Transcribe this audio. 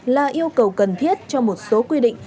là yêu cầu cần thiết cho một số quy định